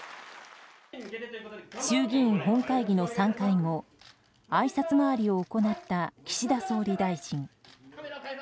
衆議院本会議の散会後あいさつ回りを行った岸田総理大臣。